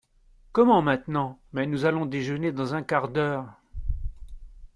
Comment, maintenant ?… mais nous allons déjeuner dans un quart d’heure.